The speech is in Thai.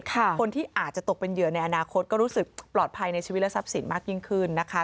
คนที่อาจจะตกเป็นเหยื่อในอนาคตก็รู้สึกปลอดภัยในชีวิตและทรัพย์สินมากยิ่งขึ้นนะคะ